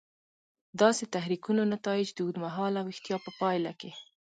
داسې تحریکونو نتایج د اوږد مهاله ویښتیا په پایله کې.